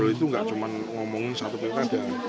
itu nggak cuma ngomongin satu pilkada